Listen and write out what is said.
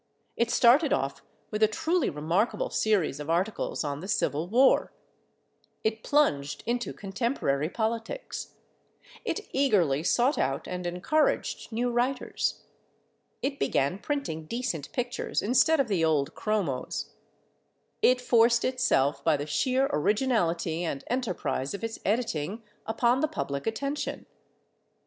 It started off with a truly remarkable series of articles on the Civil War; it plunged into contemporary politics; it eagerly sought out and encouraged new writers; it began printing decent pictures instead of the old chromos; it forced itself, by the sheer originality and enterprise of its editing, upon the public attention.